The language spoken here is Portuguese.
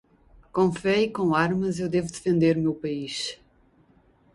Com fé e com armas eu devo defender meu país